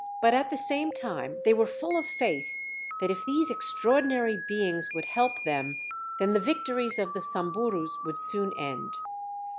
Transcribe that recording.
But at the same time they were full of faith that if these extraordinary beings would help them then the victories of the Samburus would soon end.